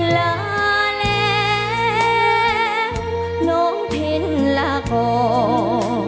ลาแล้วน้องเพ็ญล่าก่อน